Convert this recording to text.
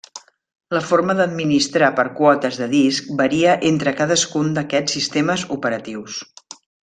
La forma d'administrar per quotes de disc varia entre cadascun d'aquests sistemes operatius.